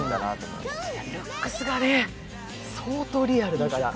ルックスが相当リアルだから。